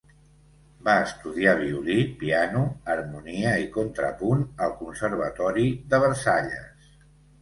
Va estudiar violí, piano, harmonia i contrapunt al conservatori de Versalles.